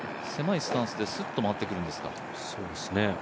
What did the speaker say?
狭いスタンスでスッと回ってくるんですか。